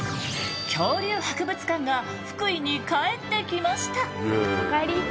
恐竜博物館が福井に帰ってきました！